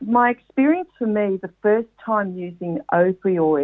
pada pengalaman saya pertama kali menggunakan opioid